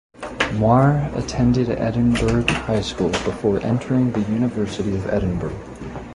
Moir attended Edinburgh High School before entering the University of Edinburgh.